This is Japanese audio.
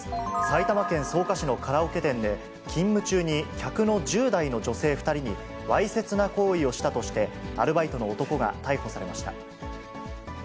埼玉県草加市のカラオケ店で、勤務中に客の１０代の女性２人にわいせつな行為をしたとして、アルバイトの男が逮捕されました。